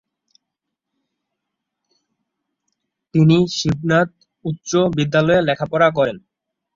তিনি শিবনাথ উচ্চ বিদ্যালয়ে লেখাপড়া করেন।